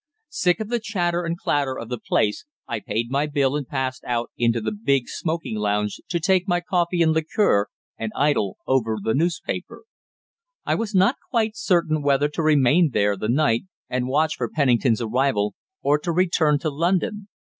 Sick of the chatter and clatter of the place, I paid my bill and passed out into the big smoking lounge to take my coffee and liqueur and idle over the newspaper. I was not quite certain whether to remain there the night and watch for Pennington's arrival, or to return to London.